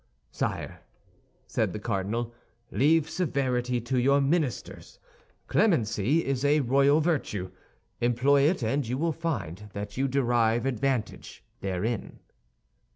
"Sire," said the cardinal, "leave severity to your ministers. Clemency is a royal virtue; employ it, and you will find that you derive advantage therein."